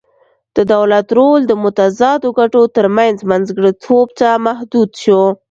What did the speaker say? د دولت رول د متضادو ګټو ترمنځ منځګړیتوب ته محدود شو